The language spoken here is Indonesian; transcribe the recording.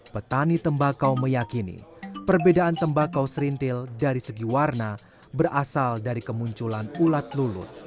petani tembakau meyakini perbedaan tembakau serintil dari segi warna berasal dari kemunculan ulat lulut